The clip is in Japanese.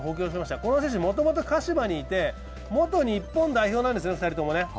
この選手、もともと鹿島にいて元日本代表選手なんですね。